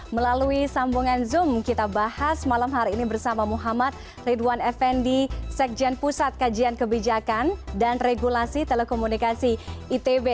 melalui sambungan zoom kita bahas malam hari ini bersama muhammad ridwan effendi sekjen pusat kajian kebijakan dan regulasi telekomunikasi itb